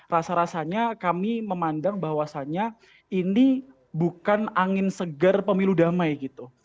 rasa rasanya kami memandang bahwasannya ini bukan angin segar pemilu damai gitu